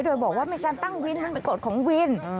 โดยบอกว่ามีการตั้งวินมันเป็นกฎของวิน